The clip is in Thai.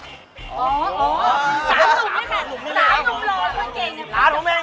สาวลูกไม่รอพวกเก่ง